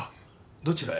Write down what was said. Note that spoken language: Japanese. どちらへ？